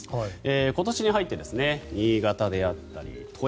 今年に入って新潟であったり、富山